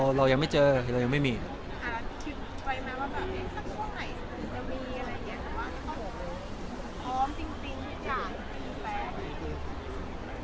จะมีอะไรอย่างนี้ว่าผมพร้อมจริงอยากมีแปลก